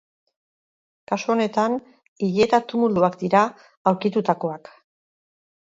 Kasu honetan hileta-tumuluak dira aurkitutakoak.